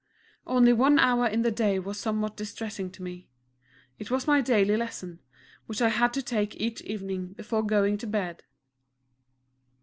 Only one hour in the day was somewhat distressing to me. It was my daily lesson, which I had to take each evening, before going to bed.